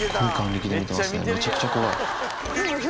めちゃくちゃ怖い。